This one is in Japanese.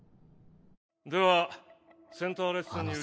ではセンターレッスンに。